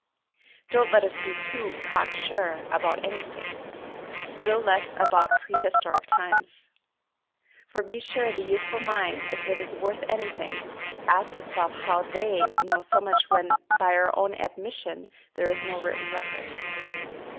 Don't let us be too "cock sure" about anything still less about prehistoric times. For be sure the youthful mind, if it is worth anything, asks itself how "they" know so much when by our own admission there are no written records.